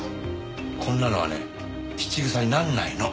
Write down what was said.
こんなのはね質草にならないの！